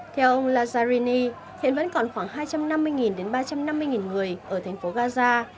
theo ông lazzarini hiện vẫn còn khoảng hai trăm năm mươi đến ba trăm năm mươi người ở thành phố gaza